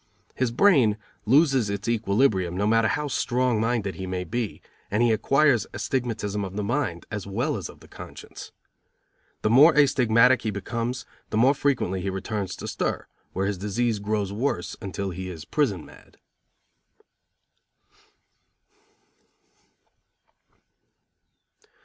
His brain loses its equilibrium, no matter how strong minded he may be, and he acquires astigmatism of the mind, as well as of the conscience. The more astigmatic he becomes, the more frequently he returns to stir, where his disease grows worse, until he is prison mad.